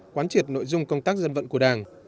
quán triệt nội dung công tác dân vận của đảng